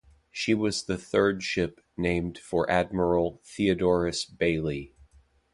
She was the third ship named for Admiral Theodorus Bailey.